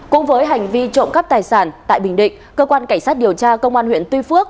cũng với hành vi trộm cắp tài sản tại bình định cơ quan cảnh sát điều tra công an huyện tuy phước